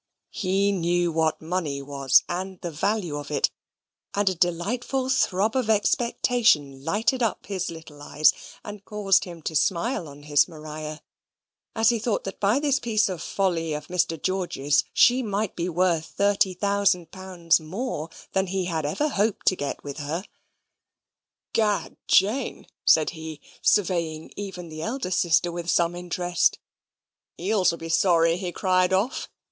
He knew what money was, and the value of it: and a delightful throb of expectation lighted up his little eyes, and caused him to smile on his Maria, as he thought that by this piece of folly of Mr. George's she might be worth thirty thousand pounds more than he had ever hoped to get with her. "Gad! Jane," said he, surveying even the elder sister with some interest, "Eels will be sorry he cried off.